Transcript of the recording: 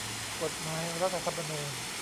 กฎหมายรัฐธรรมนูญ